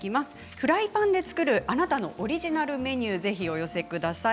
フライパンで作るあなたのオリジナルメニューをお寄せください。